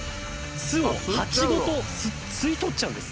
巣を蜂ごと吸い取っちゃうんです。